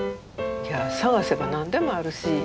いや探せば何でもあるし。